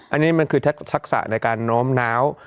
อันนี้มันคือทักษะในการน้อมน้าว